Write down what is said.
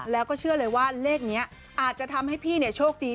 แล้วก็เชื่อเลยว่าเลขนี้อาจจะทำให้พี่โชคดี